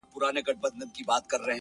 د دې نړۍ انسان نه دی په مخه یې ښه”